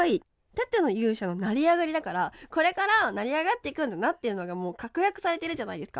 「盾の勇者の成り上がり」だからこれから成り上がっていくんだなっていうのがもう確約されてるじゃないですか。